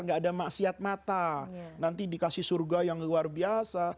nanti dikasih surga yang luar biasa